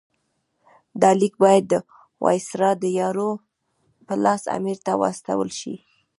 دا لیک باید د وایسرا د یاور په لاس امیر ته واستول شي.